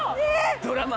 ドラマ。